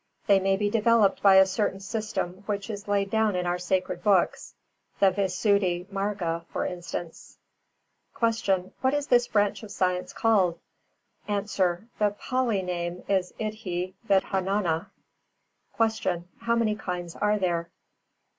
They may be developed by a certain system which is laid down in our sacred books, the Visuddhi Mārga for instance. 366. Q. What is this branch of science called? A. The Pālī name is Iddhi vidhanānā. 367. Q. _How many kinds are there?